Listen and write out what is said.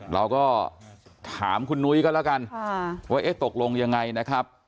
เราก็ถามคุณนุ้ยก็แล้วกันว่าเอ๊ะตกลงยังไงนะครับ